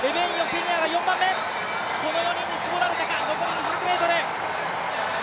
この４人に絞られたか、残り２００ｍ。